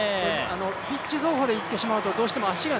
ピッチ走法でいってしまうと、どうしても足が